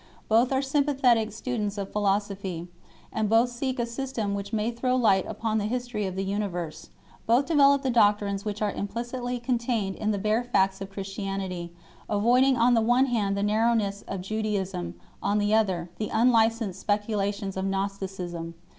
Both are sympa thetic students of philosophy, and both seek a system which may throw light upon the history of the universe. Both develope the doctrines which are implicitly contained in the bare facts of Christianity, avoiding on the one hand the narrowness of Judaism, on the other, the un licensed speculations of Gnosticism.